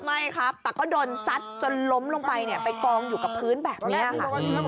ไม่ครับแต่ก็โดนซัดจนล้มลงไปเนี่ยไปกองอยู่กับพื้นแบบนี้ค่ะ